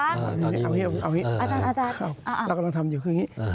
อาจารย์เรากำลังทำอยู่คืออย่างนี้